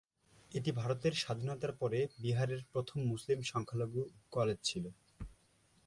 এটি ভারতের স্বাধীনতার পরে বিহারের প্রথম মুসলিম-সংখ্যালঘু কলেজ ছিল।